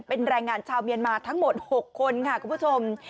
เป็นแรงงานชาวเมียนมาทั้งหมด๖คนค่ะคุณผู้ชม